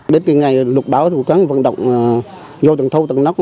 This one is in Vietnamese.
đến ngày lục báo thủ quán vận động vô tầng thâu tầng nóc